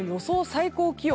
最高気温。